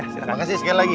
terima kasih sekali lagi